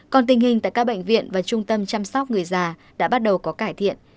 còn tình hình tại các bệnh viện và trung tâm chăm sóc người già đã bắt đầu có cải thiện